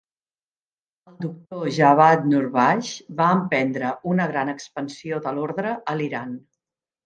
El doctor Javad Nurbakhsh va emprendre una gran expansió de l'ordre a l'Iran.